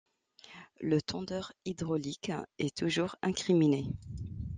Le tendeur hydraulique est toujours incriminé.